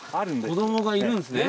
子供がいるんですね。